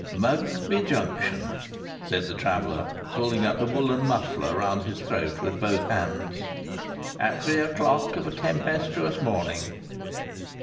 "Mugby Junction!" said the traveller, pulling up the woollen muffler round his throat with both hands. "At past three o'clock of a tempestuous morning!